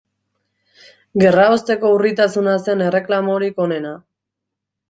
Gerraosteko urritasuna zen erreklamorik onena.